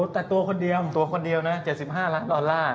แต่ตัวคนเดียว๗๕ล้านดอลลาร์